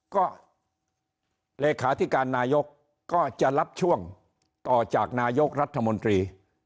ก็เลขาธิการนายกก็จะรับช่วงต่อจากนายกรัฐมนตรี